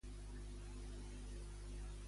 Com és el navili?